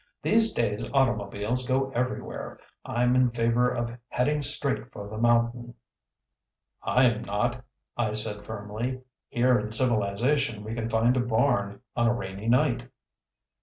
"These days automobiles go everywhere. I'm in favor of heading straight for the mountain." "I'm not," I said firmly. "Here in civilization we can find a barn on a rainy night."